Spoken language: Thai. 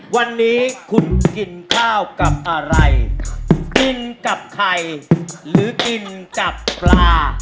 วันนี้คุณกินข้าวกับอะไรกินกับใครหรือกินจับปลา